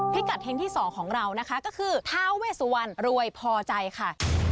พิกัดเท้นที่สองของเราก็คือท้าเวสวรรค์รวยพอใจค่ะ